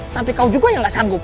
tapi kau juga yang gak sanggup